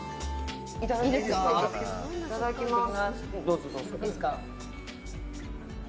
いただきます。